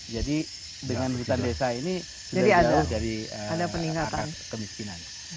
jadi dengan hutan desa ini sudah jauh dari angka kemiskinan